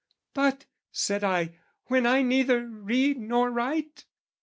"'But,' said I, 'when I neither read nor write?'